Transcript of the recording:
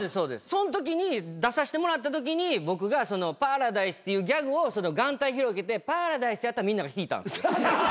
そんときに出させてもらったときに僕が「パラダイス」っていうギャグを眼帯広げて「パラダイス」ってやったらみんなが引いた。